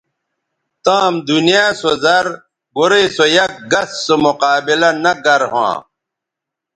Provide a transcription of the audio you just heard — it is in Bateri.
تام دنیا سو زر گورئ سو یک گس سو مقابلہ نہ گر ھواں